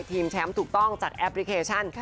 ทีมแชมป์ถูกต้องจากแอปพลิเคชัน